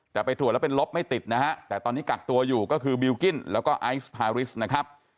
แต่ไปตรวจแล้วเป็นลบไม่ติดนะฮะแต่ตอนนี้กักตัวอยู่ก็คือบิลกิ้นแล้วก็ไอซ์พาริสนะครับ